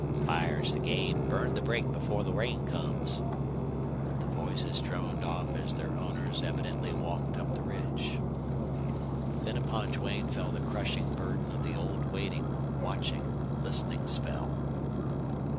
"Fire's the game. Burn the brake before the rain comes." The voices droned off as their owners evidently walked up the ridge. Then upon Duane fell the crushing burden of the old waiting, watching, listening spell.